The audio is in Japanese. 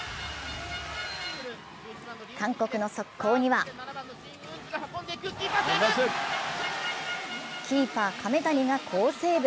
韓国の速攻にはキーパー・亀谷が好セーブ。